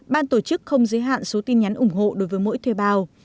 ban tổ chức không giới hạn số tin nhắn ủng hộ đối với mỗi thuê bao